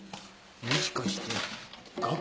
もしかして楽譜？